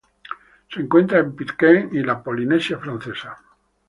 Se encuentra en Pitcairn y la Polinesia Francesa.